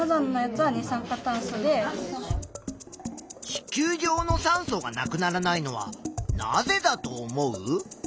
地球上の酸素がなくならないのはなぜだと思う？